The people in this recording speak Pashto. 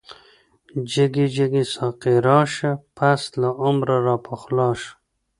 جګی جګی ساقی راشه، پس له عمره راپخلا شه